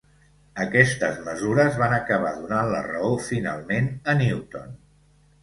Aquestes mesures van acabar donant la raó finalment a Newton.